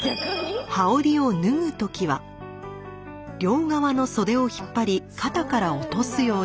羽織を脱ぐ時は両側の袖を引っ張り肩から落とすように。